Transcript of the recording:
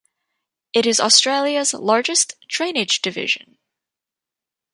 It is Australia's largest drainage division.